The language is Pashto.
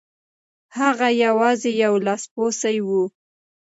هغه یوازې یو لاسپوڅی و.